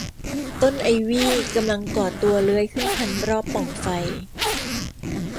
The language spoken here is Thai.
ต้นไอวี่กำลังก่อตัวเลื้อยขึ้นพันรอบปล่องไฟ